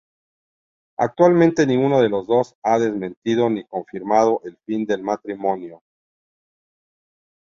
Actualmente ninguno de los dos ha desmentido ni confirmado el fin del matrimonio.